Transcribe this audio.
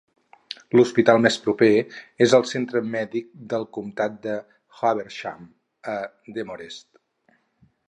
L'hospital més proper és el centre mèdic del comtat de Habersham a Demorest.